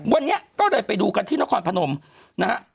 วันนี้ก็เลยไปดูกันที่นครพนมนะฮะ